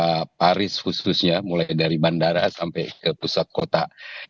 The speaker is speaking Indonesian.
dari paris khususnya mulai dari bandara sampai ke pusat kota